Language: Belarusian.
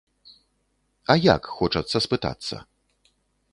А як, хочацца спытацца?